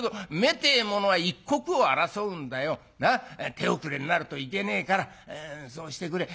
手遅れになるといけねえからそうしてくれ」。